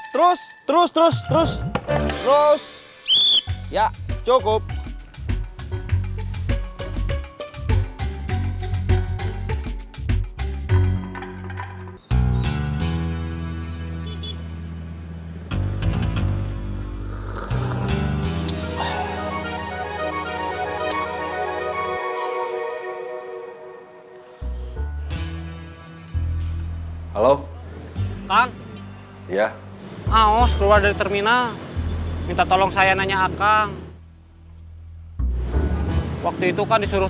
terus terus terus terus